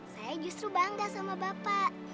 saya justru bangga sama bapak